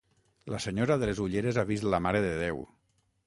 La senyora de les ulleres ha vist la Mare de Déu.